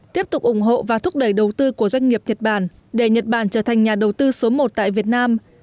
tiếp tục ủng hộ và thúc đẩy đầu tư của doanh nghiệp nhật bản để nhật bản trở thành nhà đầu tư số một tại việt nam